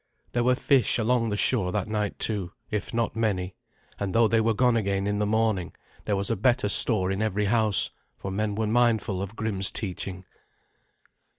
There were fish along the shore that night, too, if not many; and though they were gone again in the morning, there was a better store in every house, for men were mindful of Grim's teaching.